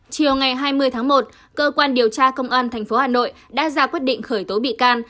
chiều ngày hai mươi tháng một cơ quan điều tra công an tp hà nội đã ra quyết định khởi tố bị can